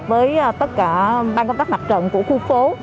với tất cả ban công tác mặt trận của khu phố